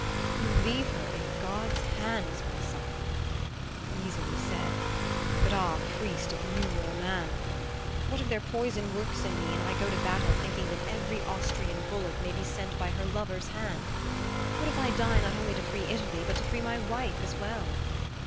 "You leave her in God's hands, my son." "Easily said but, ah, priest, if you were a man! What if their poison works in me and I go to battle thinking that every Austrian bullet may be sent by her lover's hand? What if I die not only to free Italy but to free my wife as well?"